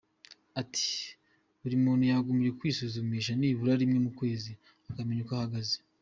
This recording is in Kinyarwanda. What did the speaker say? Ati “Buri muntu yagombye kwisuzumisha nibura rimwe mu kwezi akamenya uko ahagaze.